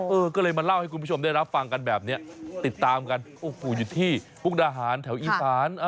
เออก็เลยมาเล่าให้คุณผู้ชมได้รับฟังกันแบบนี้ติดตามกันโอ้โหอยู่ที่มุกดาหารแถวอีสาน